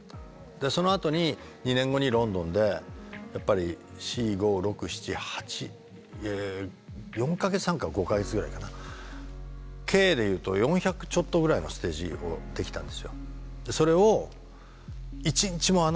でそのあとに２年後にロンドンでやっぱり４５６７８４か月半か５か月ぐらいかな計でいうと４００ちょっとぐらいのステージをできたんですよ。